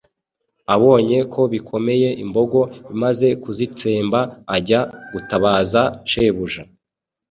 abonye ko bikomeye imbogo imaze kuzitsemba ajya gutabaza shebuja.